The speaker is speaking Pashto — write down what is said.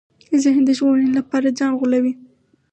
ذهن د ژغورنې لپاره ځان غولوي.